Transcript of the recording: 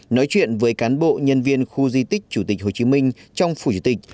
nói chuyện với cán bộ nhân viên khu di tích chủ tịch hồ chí minh trong phủ chủ tịch